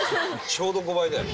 ちょうど５倍だよ。